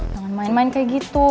jangan main main kayak gitu